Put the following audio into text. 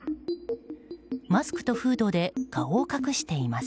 マスクとフードで顔を隠しています。